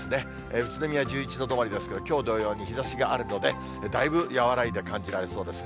宇都宮１１度止まりですけれども、きょう同様に日ざしがあるので、だいぶ和らいで感じられそうですね。